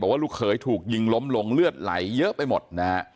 ว่าลูกเขยถูกยิงล้มลงเลือดไหลเยอะไปหมดนะฮะ